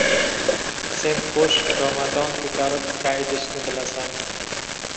Sen qo‘sh jomadon ko‘tarib daydishni bilasan.